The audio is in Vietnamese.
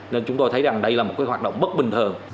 nên chúng tôi thấy rằng đây là một cái hoạt động bất bình thường